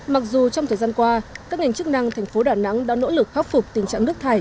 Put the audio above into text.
mặc dù trong thời gian qua các ngành chức năng thành phố đà nẵng đã nỗ lực khắc phục tình trạng nước thải